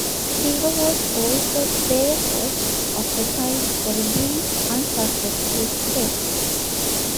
Stevo was also player-coach of the side for a brief, unsuccessful spell.